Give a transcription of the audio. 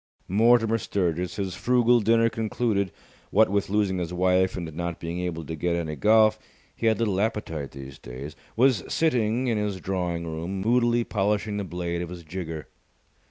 Mortimer Sturgis, his frugal dinner concluded what with losing his wife and not being able to get any golf, he had little appetite these days was sitting in his drawing room, moodily polishing the blade of his jigger.